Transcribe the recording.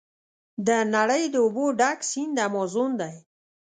د نړۍ د اوبو ډک سیند امازون دی.